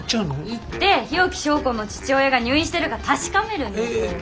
行って日置昭子の父親が入院してるか確かめるんですよ。